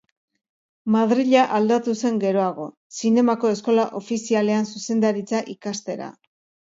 Madrila aldatu zen geroago, Zinemako Eskola Ofizialean zuzendaritza ikastera.